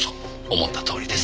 思ったとおりです。